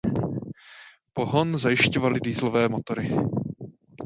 Pohon zajišťovaly dieselové motory.